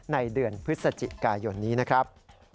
ในเดือนพฤศจิกายนนี้นะครับ